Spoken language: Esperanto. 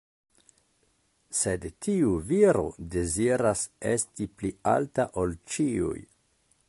Sed tiu viro deziras esti pli alta ol ĉiuj.